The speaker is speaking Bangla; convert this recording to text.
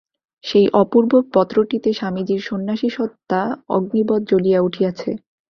সেই অপূর্ব পত্রটিতে স্বামীজীর সন্ন্যাসী-সত্তা অগ্নিবৎ জ্বলিয়া উঠিয়াছে।